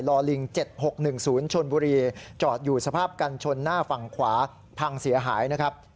ลิง๗๖๑๐ชนบุรีจอดอยู่สภาพกันชนหน้าฝั่งขวาพังเสียหายนะครับ